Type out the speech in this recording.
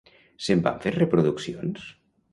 Se'n van fer reproduccions?